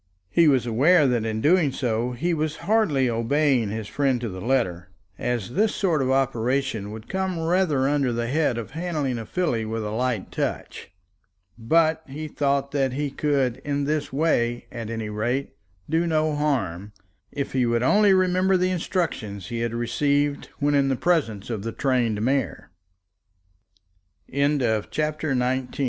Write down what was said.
He was aware that in doing so he was hardly obeying his friend to the letter, as this sort of operation would come rather under the head of handling a filly with a light touch; but he thought that he could in this way, at any rate, do no harm, if he would only remember the instructions he had received when in the presence of the trained mare. It was nearly three when he found